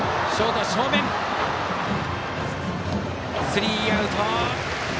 スリーアウト。